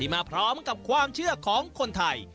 มาพร้อมกับความเชื่อของคนไทย